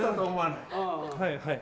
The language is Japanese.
はいはい。